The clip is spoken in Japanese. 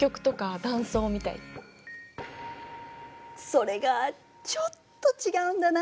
それがちょっと違うんだな。